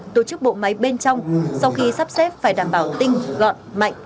tổ chức bộ máy bên trong sau khi sắp xếp phải đảm bảo tinh gọn mạnh